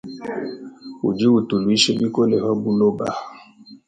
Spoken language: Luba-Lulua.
Udi utuluisha bikola habuloba.